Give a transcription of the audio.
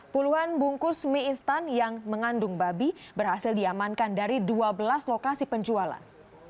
puluhan bungkus mie instan yang mengandung babi berhasil diamankan dari dua belas lokasi penjualan